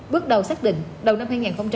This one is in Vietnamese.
bước đầu xác định đầu năm hai nghìn hai mươi